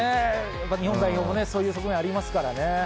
日本代表もそういう側面ありますからね。